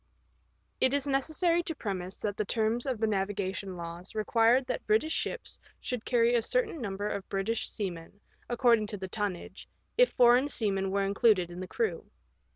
It is necessary to premise that the terms of the navigation laws required that British ships should carry a certain number of British seamen, according to the tonnage, if foreign seamen were included in the crew.